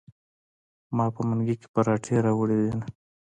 ما په منګي کې پراټې راوړي دینه.